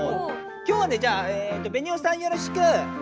今日はねじゃあベニオさんよろしく！